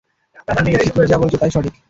এখন দেখছি তুমি যা বলছ তাই সঠিক।